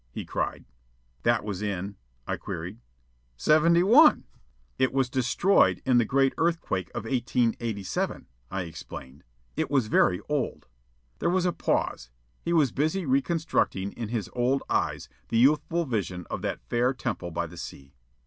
he cried. "That was in ?" I queried. "Seventy one." "It was destroyed in the great earthquake of 1887," I explained. "It was very old." There was a pause. He was busy reconstructing in his old eyes the youthful vision of that fair temple by the sea.